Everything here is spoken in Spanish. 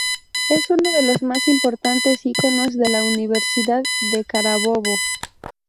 Es uno de los más importantes iconos de la Universidad de Carabobo.